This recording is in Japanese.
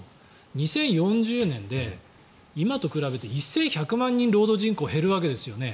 ２０４０年で今と比べて１１００万人労働人口が減るわけですよね。